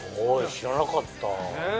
知らなかった。ねぇ！